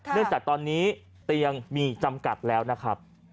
จากตอนนี้เตียงมีจำกัดแล้วนะครับ